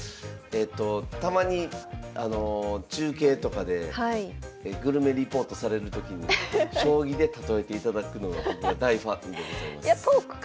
たまに中継とかでグルメリポートされるときに将棋で例えていただくのが僕は大ファンでございます。